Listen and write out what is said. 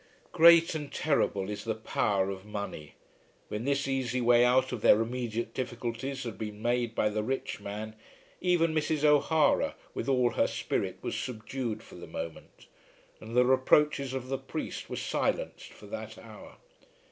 Great and terrible is the power of money. When this easy way out of their immediate difficulties had been made by the rich man, even Mrs. O'Hara with all her spirit was subdued for the moment, and the reproaches of the priest were silenced for that hour.